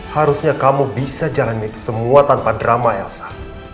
harusnya kamu bisa jalanin semua tanpa drama elsa